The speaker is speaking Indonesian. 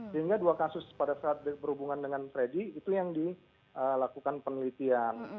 sehingga dua kasus pada saat berhubungan dengan freddy itu yang dilakukan penelitian